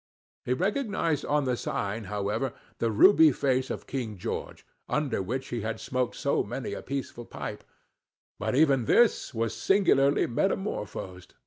He recognized on the sign, however, the ruby face of King George, under which he had smoked so many a peaceful pipe; but even this was singularly metamorphosed.